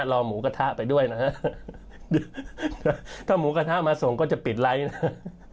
รอหมูกระทะไปด้วยนะฮะถ้าหมูกระทะมาส่งก็จะปิดไลค์นะฮะ